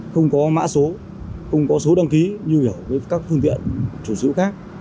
không có mã số không có số đăng ký như các phương tiện chủ sĩ khác